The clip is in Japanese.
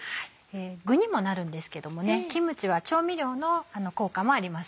具にもなるんですけどもキムチは調味料の効果もあります。